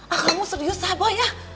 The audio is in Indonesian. ah kamu serius ah boy ya